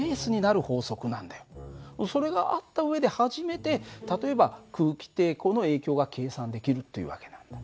それがあった上で初めて例えば空気抵抗の影響が計算できるという訳なんだ。